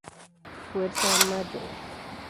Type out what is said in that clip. Fuerza mayor.